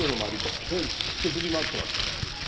駆けずり回ってますから。